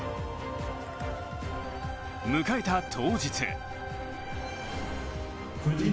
迎えた当日。